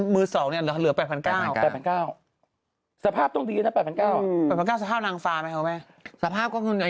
เมืองไทย๒๐๐๐๐บาทสมมุติ๒๐๐๐๐บาทครับคุณแม่